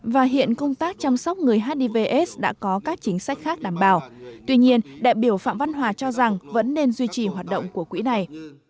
và hiện công tác chăm sóc người hiv aids đã có các chính sách khác đảm bảo tuy nhiên đại biểu phạm văn hòa cho rằng vẫn nên duy trì hoạt động của quỹ này